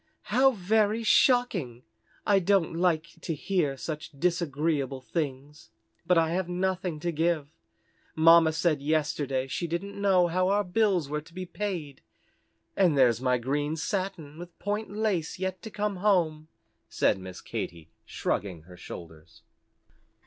"How very shocking! I don't like to hear such disagreeable things. But I have nothing to give. Mamma said yesterday she didn't know how our bills were to be paid, and there's my green satin with point lace yet to come home," said Miss Katy, shrugging her shoulders.